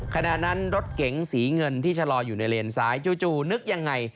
ขณะนั้นรถเก๋งสีเงินที่ชะลออยู่ในเลนซ้ายจู่นึกยังไง